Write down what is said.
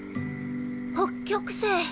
北極星。